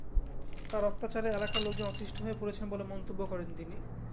তাঁর অত্যাচারে এলাকার লোকজন অতিষ্ঠ হয়ে পড়েছেন বলে মন্তব্য করেন তিনি।